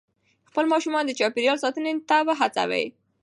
خپل ماشومان د چاپېریال ساتنې ته وهڅوئ.